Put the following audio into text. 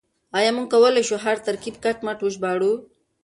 آيا موږ کولای شو هر ترکيب کټ مټ وژباړو؟